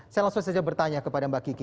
saya langsung saja bertanya kepada mbak kiki